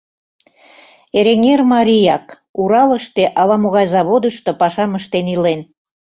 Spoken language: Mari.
Эреҥер марияк, Уралыште ала-могай заводышто пашам ыштен илен.